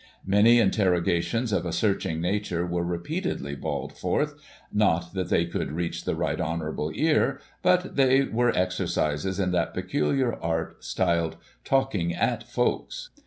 Many interrogations of a searching nature were repeatedly bawled forth, not that they could reach the right honourable ear, but they were exercises in that peculisir art, styled * talking at folks.